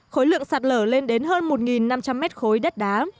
khối lượng sạt lở lên đến hơn một năm trăm linh mét khối đất đá